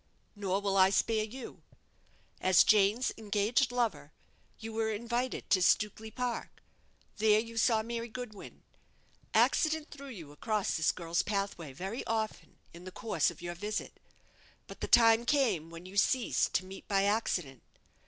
Nor will I spare you. As Jane's engaged lover, you were invited to Stukely Park. There you saw Mary Goodwin. Accident threw you across this girl's pathway very often in the course of your visit; but the time came when you ceased to meet by accident.